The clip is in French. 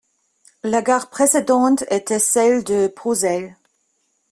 La gare précédente était celle de Prouzel.